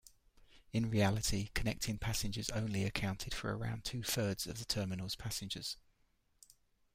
In reality, connecting passengers only accounted for around two-thirds of the terminal's passengers.